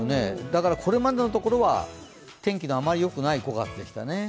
だからこれまでのところは天気のあまり良くない５月でしたね。